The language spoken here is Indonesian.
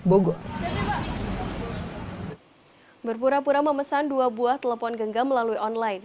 kelabang perang membesar yang kurang memesan dua buah telepon genggam melalui online